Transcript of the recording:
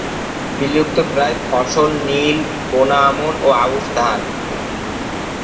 বিলুপ্তপ্রায় ফসল নীল, বোনা আমন ও আউশ ধান।